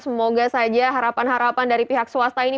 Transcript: semoga saja harapan harapan dari pihak swasta ini